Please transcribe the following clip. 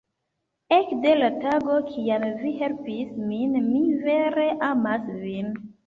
Ekde la tago kiam vi helpis min, mi vere amas vin.